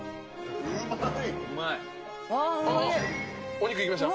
お肉いきました？